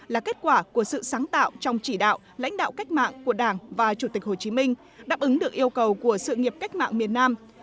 là kết quả của sự sáng tạo trong chỉ đạo lãnh đạo cách mạng của đảng và chủ tịch hồ chí minh đáp ứng được yêu cầu của sự nghiệp cách mạng miền nam